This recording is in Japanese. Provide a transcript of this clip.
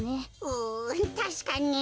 うたしかに。